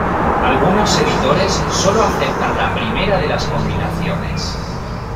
Algunos editores sólo aceptan la primera de las combinaciones.